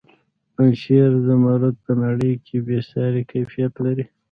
د پنجشیر زمرد په نړۍ کې بې ساري کیفیت لري.